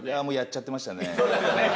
もうやっちゃってましたね。